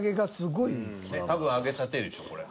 多分揚げたてでしょこれ。